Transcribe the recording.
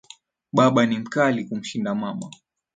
Baba ni mkali kumshinda mama